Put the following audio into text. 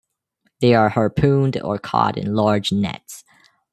They are harpooned or caught in large nets.